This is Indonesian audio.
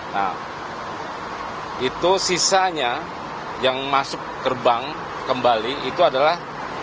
nah itu sisanya yang masuk gerbang kembali itu adalah lima ratus tiga puluh sembilan enam ratus tujuh puluh tujuh